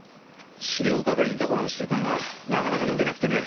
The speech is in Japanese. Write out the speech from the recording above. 資料係にいた頃の習慣がなかなか抜けなくてね。